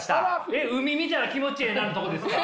えっ「海見たら気持ちええな」のとこですか？